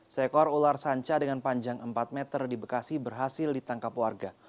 seekor ular sanca dengan panjang empat meter di bekasi berhasil ditangkap warga